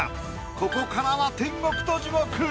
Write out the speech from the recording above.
ここからは天国と地獄。